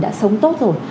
đã sống tốt rồi